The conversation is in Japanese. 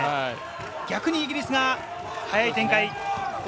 逆にイギリスが速い展開。